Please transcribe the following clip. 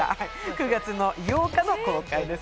９月８日の公開です。